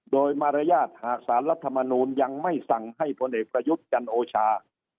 โดยมารยาทหากสารรัฐมนูลยังไม่สั่งให้พลเอกประยุทธ์จันโอชา